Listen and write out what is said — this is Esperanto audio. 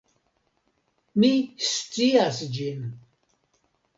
Mi scias ĝin.